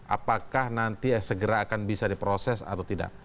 apakah nanti segera akan bisa diproses atau tidak